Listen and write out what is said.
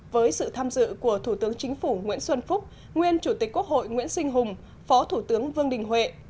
với sự tham dự của thủ tướng chính phủ nguyễn xuân phúc nguyên chủ tịch quốc hội nguyễn sinh hùng phó thủ tướng vương đình huệ